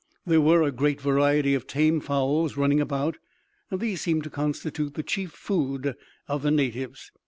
There were a great variety of tame fowls running about, and these seemed to constitute the chief food of the natives.